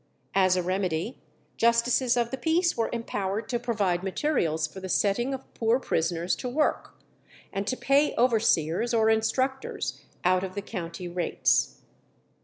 As a remedy, justices of the peace were empowered to provide materials for the setting of poor prisoners to work, and to pay overseers or instructors out of the county rates.